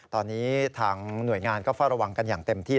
ตอนนี้ทางหน่วยงานก็เฝ้าระวังกันอย่างเต็มที่